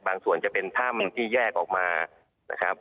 ส่วนจะเป็นถ้ำที่แยกออกมานะครับ